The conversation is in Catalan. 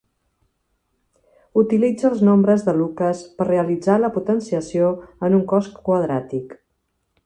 Utilitza els nombres de Lucas per realitzar la potenciació en un cos quadràtic.